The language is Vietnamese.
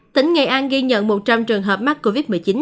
tỉnh nghệ an ghi nhận một trăm linh trường hợp mắc covid một mươi chín